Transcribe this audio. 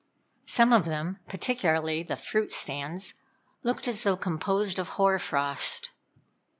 Some of them, particularly the fruit stands, looked as though composed of hoar frost.